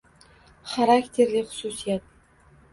Xarakterli xususiyat